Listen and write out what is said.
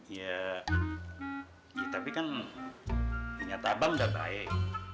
ya tapi kan nyata abang udah baik